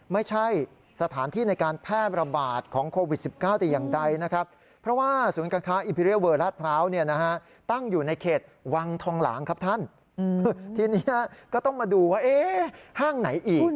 ไม่ใช่สถานที่ในการแพร่ประบาดของโควิด๑๙แต่อย่างใด